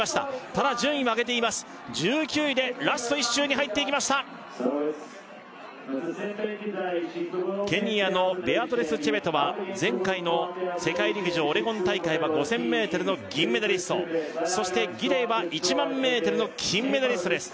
ただ順位は上げています１９位でラスト１周に入っていきましたケニアのベアトリス・チェベトは前回の世界陸上オレゴン大会は５０００ｍの銀メダリストそしてギデイは１００００ｍの金メダリストです